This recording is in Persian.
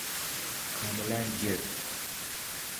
کاملا گرد